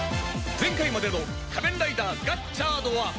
前回までの『仮面ライダーガッチャード』は